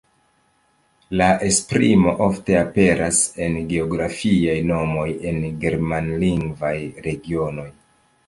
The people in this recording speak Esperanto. La esprimo ofte aperas en geografiaj nomoj en germanlingvaj regionoj.